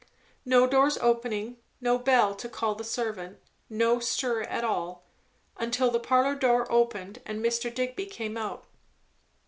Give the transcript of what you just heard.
No doors opening, no bell to call the servant, no stir at all; until the parlour door opened and Mr. Digby came out.